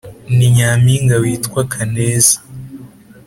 ni nyampinga witwa kaneza